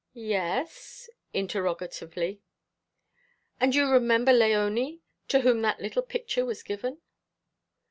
"Yes?" interrogatively. "And you remember Léonie, to whom that little picture was given?"